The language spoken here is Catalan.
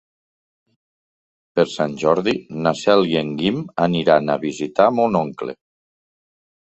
Per Sant Jordi na Cel i en Guim aniran a visitar mon oncle.